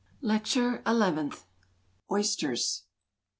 LECTURE ELEVENTH. OYSTERS.